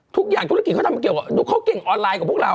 ทุกอย่างโครงภาพเขาเก่งออนไลน์กับพวกเรา